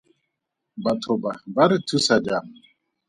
Batho ba ba re thusa jang?